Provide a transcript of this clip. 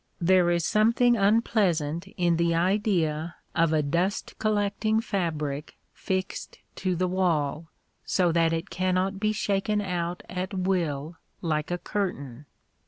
There is something unpleasant in the idea of a dust collecting fabric fixed to the wall, so that it cannot be shaken out at will like a curtain.